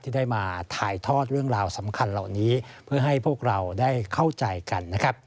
ที่ได้มาถ่ายทอดเรื่องราวสำคัญเหล่านี้เพื่อให้พวกเราได้เข้าใจกันนะครับ